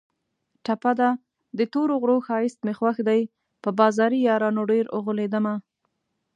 ټپه ده: د تورو غرو ښایست مې خوښ دی په بازاري یارانو ډېر اوغولېدمه